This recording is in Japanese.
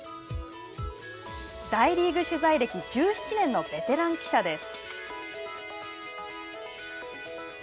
大リーグ取材歴１７年のベテラン記者です。